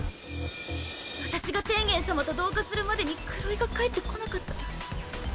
私が天元様と同化するまでに黒井が帰って来なかったら。